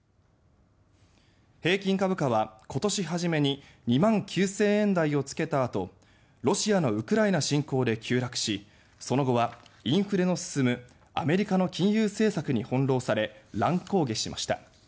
平均株価は今年初めに２万９０００円台を付けたあとロシアのウクライナ侵攻で急落しその後はインフレの進むアメリカの金融政策に翻弄され乱高下しました。